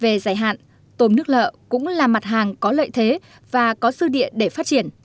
về dài hạn tôm nước lợ cũng là mặt hàng có lợi thế và có sư địa để phát triển